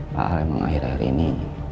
pak al memang akhir akhir ini